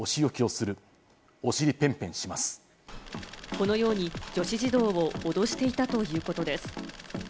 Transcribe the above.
このように女子児童を脅していたということです。